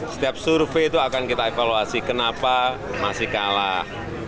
setiap survei itu akan kita evaluasi kenapa masih kalah